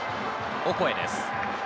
オコエです。